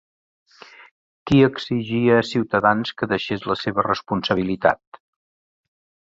Qui exigia Ciutadans que deixés la seva responsabilitat?